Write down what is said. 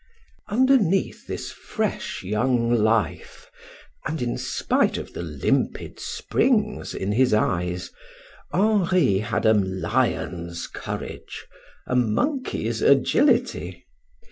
Underneath this fresh young life, and in spite of the limpid springs in his eyes, Henri had a lion's courage, a monkey's agility.